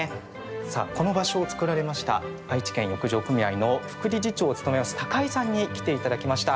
さあ、この場所を作られました愛知県浴場組合の副理事長を務めます、高井さんに来ていただきました。